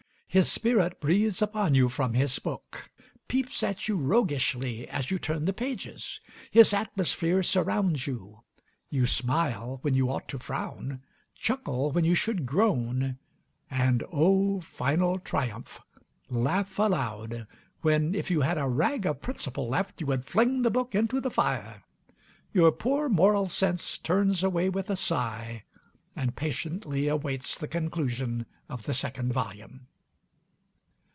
His spirit breathes upon you from his book peeps at you roguishly as you turn the pages. His atmosphere surrounds you; you smile when you ought to frown, chuckle when you should groan, and oh, final triumph! laugh aloud when, if you had a rag of principle left, you would fling the book into the fire. Your poor moral sense turns away with a sigh, and patiently awaits the conclusion of the second volume.